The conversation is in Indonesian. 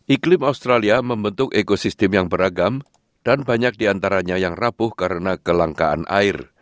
iklim australia membentuk ekosistem yang beragam dan banyak diantaranya yang rapuh karena kelangkaan air